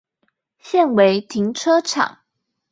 現為停車場